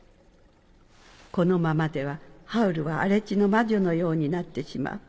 このままではハウルは荒地の魔女のようになってしまう。